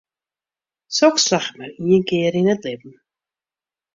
Soks slagget mar ien kear yn it libben.